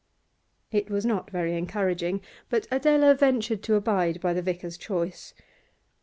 It was not very encouraging, but Adela ventured to abide by the vicar's choice.